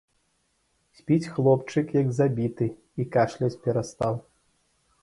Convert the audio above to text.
Спіць хлопчык, як забіты, і кашляць перастаў.